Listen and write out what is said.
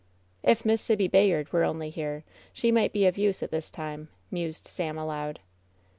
"If Miss Sibby Bayard were only here ; she might be of use at this time," mused Sam, aloud.